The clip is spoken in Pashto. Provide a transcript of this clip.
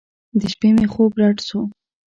د شپې مې خوب رډ سو.